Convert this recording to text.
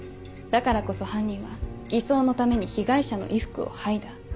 だからこそ犯人は偽装のために被害者の衣服を剥いだ。